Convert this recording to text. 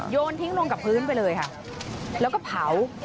โยนทิ้งลงกับพื้นไปเลยค่ะ